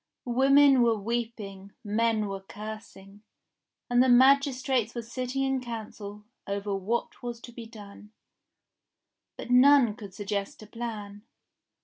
Women were weeping, men were cursing, and the magistrates were sitting in Council over what was to be done. But none could suggest a plan.